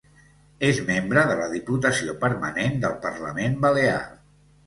És membre de la Diputació Permanent del Parlament Balear.